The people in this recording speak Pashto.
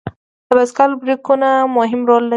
د بایسکل بریکونه مهم رول لري.